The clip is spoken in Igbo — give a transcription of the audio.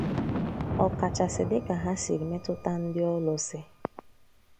ọkachasị dịka ha siri metụta ndị ọlụsị.